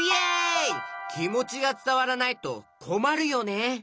きもちがつたわらないとこまるよね。